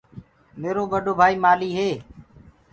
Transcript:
ميرو ٻڏو ڀآئيٚ مآلهيٚ هي۔